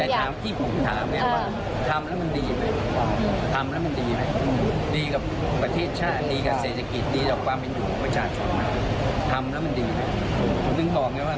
หมายถึงคือเหมือนครับผมลึกลองใช่ไหมว่า